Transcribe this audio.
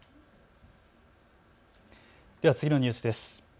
では次のニュースです。